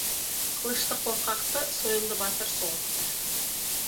Қылышты қорқақты сойылды батыр соғыпты.